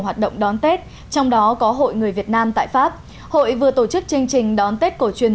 hoạt động đón tết trong đó có hội người việt nam tại pháp hội vừa tổ chức chương trình đón tết cổ truyền